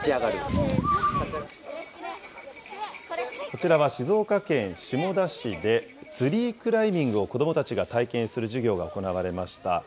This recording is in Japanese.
こちらは静岡県下田市で、ツリークライミングを子どもたちが体験する授業が行われました。